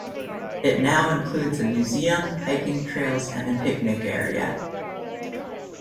It now includes a museum, hiking trails, and a picnic area.